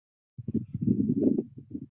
中华人民共和国行政区重新区划。